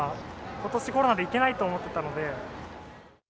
ことしコロナで行けないと思ってたので。